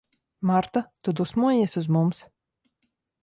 Marta, tu dusmojies uz mums?